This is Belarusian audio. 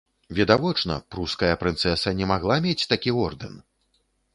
Відавочна, пруская прынцэса не магла мець такі ордэн!